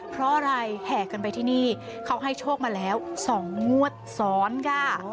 เพราะอะไรแห่กันไปที่นี่เขาให้โชคมาแล้ว๒งวดซ้อนค่ะ